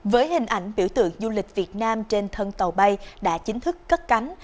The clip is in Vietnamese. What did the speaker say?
với hình ảnh biểu tượng du lịch việt nam trên thân tàu bay đã chính thức cất cánh